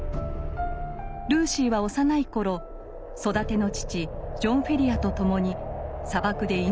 ルーシーは幼い頃育ての父ジョン・フェリアとともに砂漠で命を救われます。